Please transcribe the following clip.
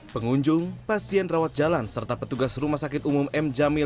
pengunjung pasien rawat jalan serta petugas rumah sakit umum m jamil